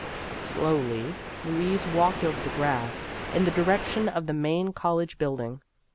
Slowly Louise walked over the grass, in the direction of the main college build ing.